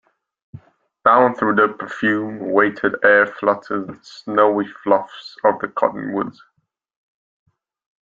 Down through the perfume weighted air fluttered the snowy fluffs of the cottonwoods.